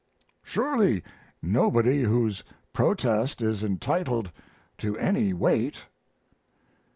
Surely nobody whose protest is entitled to any weight.